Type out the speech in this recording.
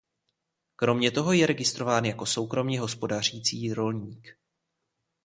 Kromě toho je registrován jako soukromě hospodařící rolník.